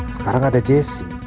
sekarang ada jessy